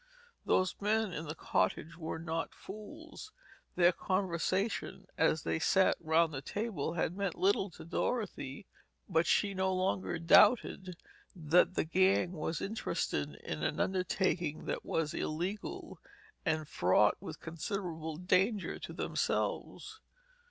Those men in the cottage were not fools. Their conversation, as they sat around the table, had meant little to Dorothy, but she no longer doubted that the gang was interested in an undertaking that was illegal and fraught with considerable danger to themselves.